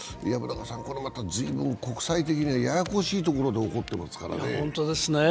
これまた随分、国際的にはややこしいところで起こってますからね。